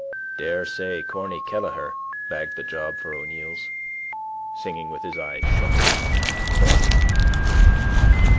Daresay Corny Kelleher bagged the job for O'Neill's. Singing with his eyes shut. Corny.